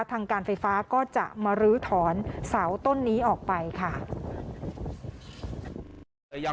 ทางการไฟฟ้าก็จะมาลื้อถอนเสาต้นนี้ออกไปค่ะ